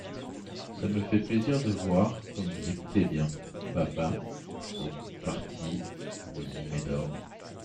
Ça me fait plaisir de voir comme vous écoutez bien, papa, repartit le bon Médor.